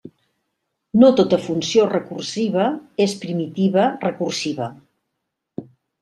No tota funció recursiva és primitiva recursiva.